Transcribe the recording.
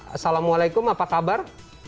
assalamualaikum apa kabar